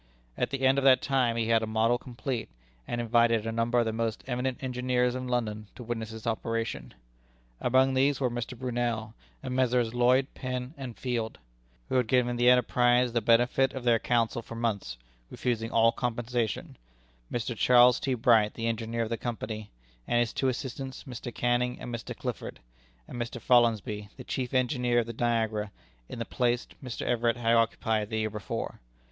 At the end of that time he had a model complete, and invited a number of the most eminent engineers of London to witness its operation. Among these were Mr. Brunel, and Messrs. Lloyd, Penn, and Field, who had given the enterprise the benefit of their counsel for months, refusing all compensation; Mr. Charles T. Bright, the engineer of the Company, and his two assistants, Mr. Canning and Mr. Clifford, and Mr. Follansbee, the chief engineer of the Niagara, in the place Mr. Everett had occupied the year before.